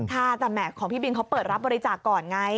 ค่ะแต่ของพี่บินเขาเปิดรับบริจาคก่อนไง